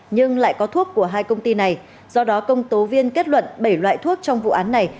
nhưng lại có thuốc của hai công ty này do đó công tố viên kết luận bảy loại thuốc trong vụ án này